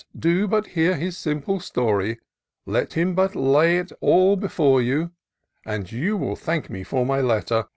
do but hear his simple story ; Let him but lay it aU before you ; And you will thank me for my letter.